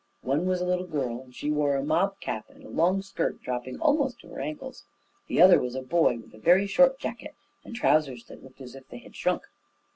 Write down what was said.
One was a little girl, and she wore a mob cap and a long skirt dropping almost to her ankles; and the other was a boy with a very short jacket and trousers that looked as if they had shrunk.